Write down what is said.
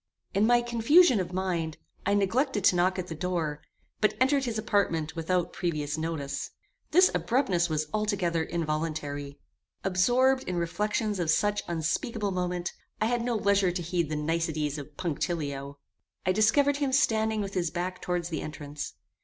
In my confusion of mind, I neglected to knock at the door, but entered his apartment without previous notice. This abruptness was altogether involuntary. Absorbed in reflections of such unspeakable moment, I had no leisure to heed the niceties of punctilio. I discovered him standing with his back towards the entrance.